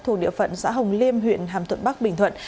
thuộc địa phận xã hồng liêm huyện hàm thuận bắc bình thuận